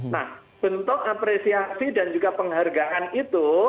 nah bentuk apresiasi dan juga penghargaan itu